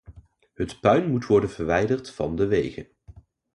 Het puin moet worden verwijderd van de wegen.